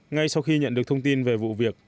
ngay sau khi nhận được thông tin về vụ việc